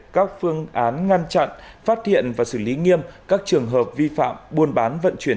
các phương án ngăn chặn phát hiện và xử lý nghiêm các trường hợp vi phạm buôn bán vận chuyển